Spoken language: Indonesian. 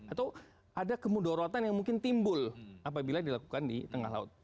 atau ada kemudorotan yang mungkin timbul apabila dilakukan di tengah laut